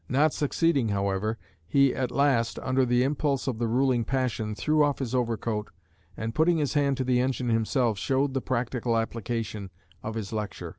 Not succeeding, however, he at last, under the impulse of the ruling passion, threw off his overcoat, and, putting his hand to the engine himself, showed the practical application of his lecture.